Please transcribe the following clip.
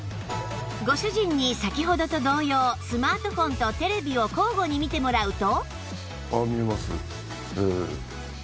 ご主人に先ほどと同様スマートフォンとテレビを交互に見てもらうと